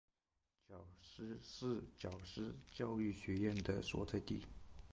皎施是皎施教育学院的所在地。